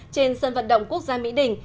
trên sân vận động quốc gia mỹ đình